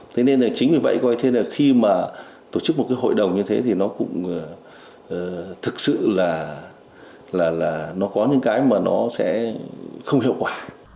thế nên là chính vì vậy coi thế là khi mà tổ chức một cái hội đồng như thế thì nó cũng thực sự là nó có những cái mà nó sẽ không hiệu quả